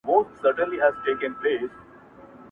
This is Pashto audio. • تابلوګاني، قندیلونه ساعتونه-